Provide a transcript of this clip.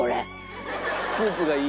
スープがいい？